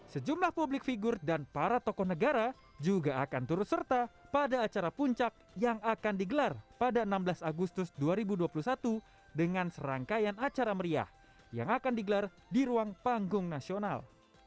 sejumlah publik figur dan para tokoh negara juga akan turut serta pada acara puncak yang akan digelar pada enam belas agustus dua ribu dua puluh satu dengan serangkaian acara meriah yang akan digelar di ruang panggung nasional